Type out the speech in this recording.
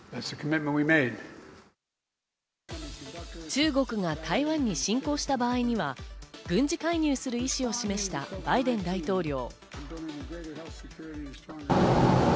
中国が台湾に侵攻した場合には軍事介入する意思を示したバイデン大統領。